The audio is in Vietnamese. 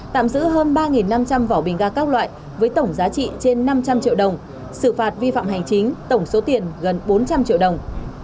tạm giữ hơn ba năm trăm linh vỏ bình ga các loại với tổng giá trị trên năm trăm linh triệu đồng xử phạt vi phạm hành chính tổng số tiền gần bốn trăm linh triệu đồng